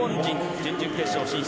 準々決勝進出。